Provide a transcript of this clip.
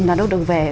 là nó được về